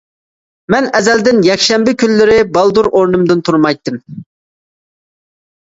مەن ئەزەلدىن يەكشەنبە كۈنلىرى بالدۇر ئورنۇمدىن تۇرمايتتىم.